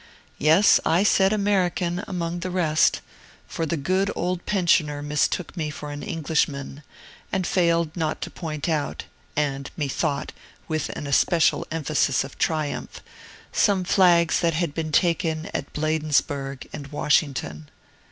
Yes, I said "American" among the rest; for the good old pensioner mistook me for an Englishman, and failed not to point out (and, methought, with an especial emphasis of triumph) some flags that had been taken at Bladensburg and Washington.